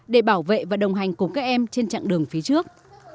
để bảo vệ và đồng hành cùng các em trên chặng đường phía trước